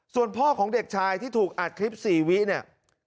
ส่วนพ่อของเด็กชายที่ถูกอัดคลิป๔วิเนี่ย